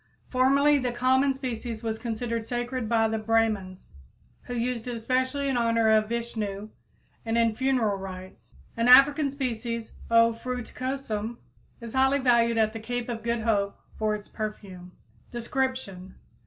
Formerly the common species was considered sacred by the Brahmins who used it especially in honor of Vishnu and in funeral rites. An African species, O. fruticosum, is highly valued at the Cape of Good Hope for its perfume. _Description.